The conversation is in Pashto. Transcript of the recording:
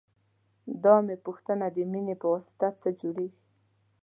دا مه پوښته د مینې پواسطه څه جوړېږي.